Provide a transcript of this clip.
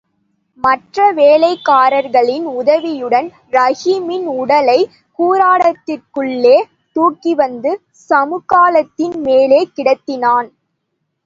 மற்ற வேலைக்காரர்களின் உதவியுடன் ரஹீமின் உடலைக் கூடாரத்திற்குள்ளே தூக்கிவந்து சமுக்காளத்தின் மேலே கிடத்தினான்.